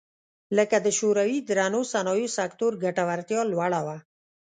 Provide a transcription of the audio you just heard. لکه د شوروي درنو صنایعو سکتور ګټورتیا لوړه وه